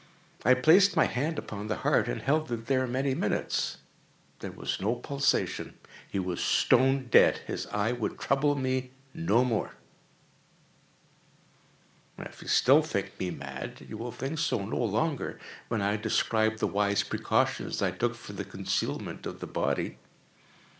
I placed my hand upon the heart and held it there many minutes. There was no pulsation. He was stone dead. His eye would trouble me no more. If still you think me mad, you will think so no longer when I describe the wise precautions I took for the concealment of the body.